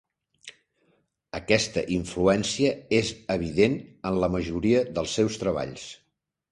Aquesta influència és evident en la majoria dels seus treballs.